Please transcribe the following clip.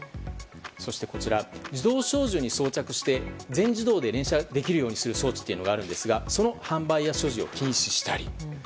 そして、自動小銃に装着して全自動で連射できるようにする装置があるんですがその販売や所持を禁止したい。